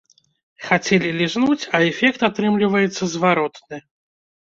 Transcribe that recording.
Хацелі лізнуць, а эфект атрымліваецца зваротны!